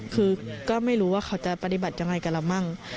คือก็ไม่รู้ว่าเขาจะปฏิบัติยังไงกับเรามั่ง